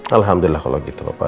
alhamdulillah kalau gitu papa